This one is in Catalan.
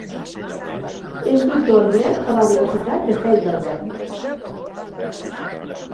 És doctor en dret per la Universitat de Heidelberg.